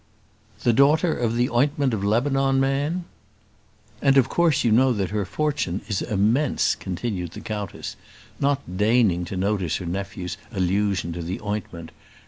"The daughter of the ointment of Lebanon man?" "And of course you know that her fortune is immense," continued the countess, not deigning to notice her nephew's allusion to the ointment.